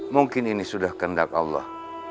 mungkin ini sudah kehendak allah